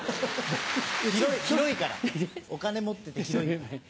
広いからお金持ってて広いから。